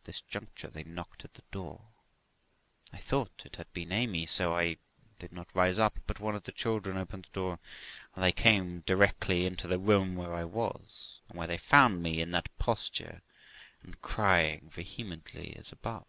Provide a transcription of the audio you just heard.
At this juncture they knocked at the door. I thought it had been Amy, so I did not rise up; but one of the children opened the door, and they came directly into the room where I was, and where they found me in that posture, and crying vehemently, as above.